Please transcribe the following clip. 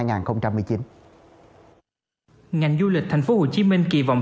ngành du lịch thành phố hồ chí minh kỳ vọng